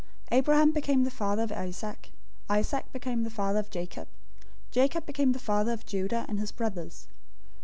001:002 Abraham became the father of Isaac. Isaac became the father of Jacob. Jacob became the father of Judah and his brothers.